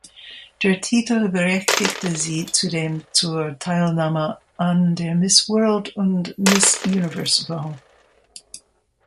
Der Titel berechtigte sie zudem zur Teilnahme an der Miss-World- und Miss-Universe-Wahl.